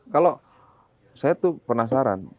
kalau saya tuh penasaran